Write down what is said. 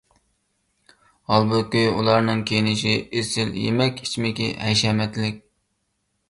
ھالبۇكى، ئۇلارنىڭ كىيىنىشى ئېسىل، يېمەك ـ ئىچمىكى ھەشەمەتلىك.